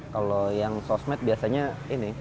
kalau yang sosmed biasanya ini